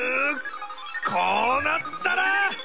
こうなったら！